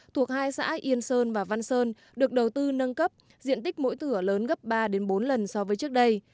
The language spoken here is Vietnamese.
thuộc hai xã yên sơn và văn sơn được đầu tư nâng cấp diện tích mỗi thửa lớn gấp ba bốn lần so với trước đây